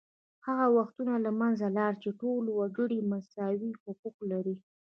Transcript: هغه وختونه له منځه لاړل چې ټول وګړي مساوي حقوق لري